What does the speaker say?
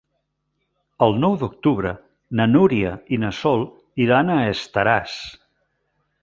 El nou d'octubre na Núria i na Sol iran a Estaràs.